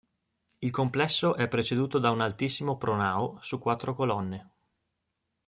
Il complesso è preceduto da un altissimo pronao su quattro colonne.